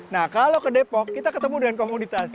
nah kalau ke depok kita ketemu dengan komunitas